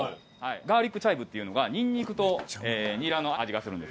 ガーリックチャイブっていうのはニンニクとニラの味がするんです。